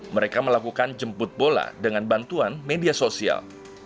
mereka melakukan jemput bola dengan bantuan media sosial